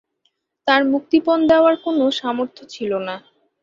তার মুক্তিপণ দেওয়ার কোন সামর্থ্য ছিল না।